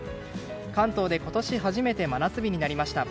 関東で今年初めて真夏日になりました。